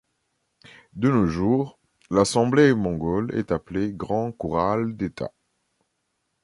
De nos jours, l'Assemblée mongole est appelée grand Khoural d’État.